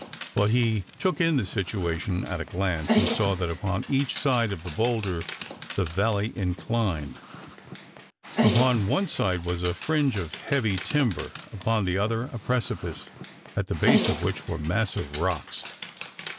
But he took in the situation at a glance, and saw that upon each side of the bowlder the valley inclined. Upon one side was a fringe of heavy timber, upon the other a precipice, at the base of which were massive rocks.